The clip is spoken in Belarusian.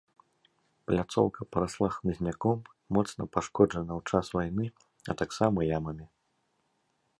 Пляцоўка парасла хмызняком, моцна пашкоджана ў час вайны, а таксама ямамі.